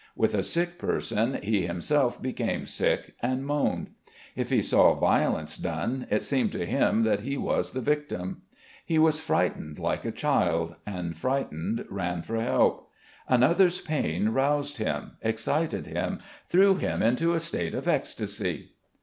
With a sick person, he himself became sick and moaned. If he saw violence done, it seemed to him that he was the victim. He was frightened like a child, and, frightened, ran for help. Another's pain roused him, excited him, threw him into a state of ecstasy....